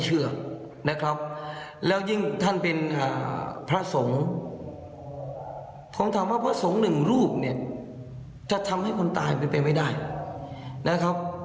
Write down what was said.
เรื่องการดูดุ